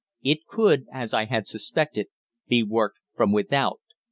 It could, as I had suspected, be worked from without.